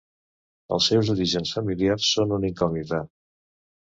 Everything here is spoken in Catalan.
Els seus orígens familiars són una incògnita.